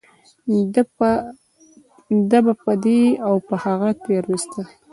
ده به په دې او په هغه تېرويستل .